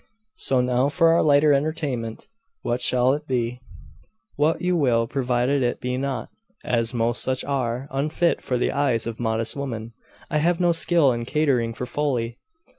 So now for our lighter entertainment. What shall it be?' 'What you will, provided it be not, as most such are, unfit for the eyes of modest women. I have no skill in catering for folly.